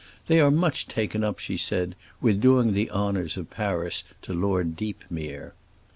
"They are much taken up," she said, "with doing the honors of Paris to Lord Deepmere."